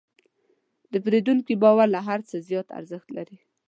د پیرودونکي باور له هر څه زیات ارزښت لري.